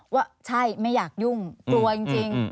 ว่าใช่ไม่อยากยุ่งกลัวจริง